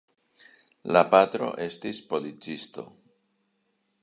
La patro estis policisto.